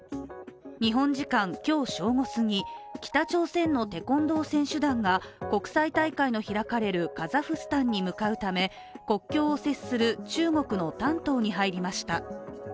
日本時間、今日正午すぎ、北朝鮮のテコンドー選手団が国際大会の開かれるカザフスタンに向かうため、国境を接する中国の丹東に入りました。